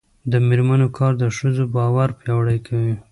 د میرمنو کار د ښځو باور پیاوړی کوي.